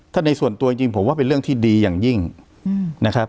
ถ้าในส่วนตัวจริงผมว่าเป็นเรื่องที่ดีอย่างยิ่งนะครับ